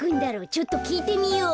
ちょっときいてみよう。